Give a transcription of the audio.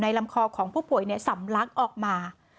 ลำคอของผู้ป่วยสำลักออกมา